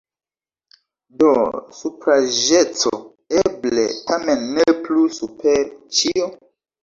Do supraĵeco eble tamen ne plu super ĉio?